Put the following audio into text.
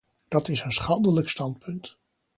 Dat is een schandelijk standpunt.